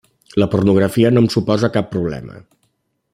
La pornografia no em suposa cap problema.